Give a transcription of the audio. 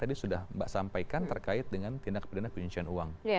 yang lain tadi sudah mbak sampaikan terkait dengan tindak pidana kuncian uang